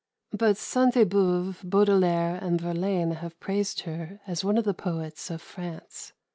But Sainte Beuve, Baudelaire, and Verlaine have praised her as one of the poets of France.